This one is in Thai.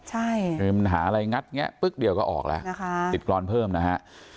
หาอะไรงัดแบบนี้ปึ๊กเดียวก็ออกแล้วติดกลอนเพิ่มนะฮะ